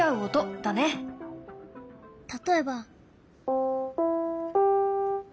例えば。